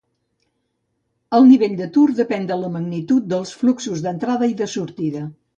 El nivell d'atur depèn de la magnitud dels fluxos d'entrada i de sortida.